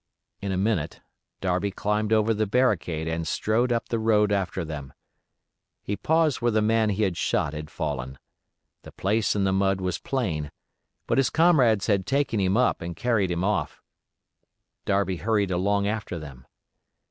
In a minute Darby climbed over the barricade and strode up the road after them. He paused where the man he had shot had fallen. The place in the mud was plain; but his comrades had taken him up and carried him off. Darby hurried along after them.